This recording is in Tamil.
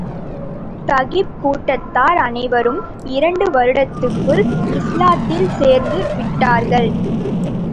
தகீப் கூட்டத்தார் அனைவரும் இரண்டு வருடத்துக்குள் இஸ்லாத்தில் சேர்ந்து விட்டார்கள்.